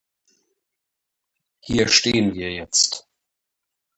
Hier stehen wir jetzt.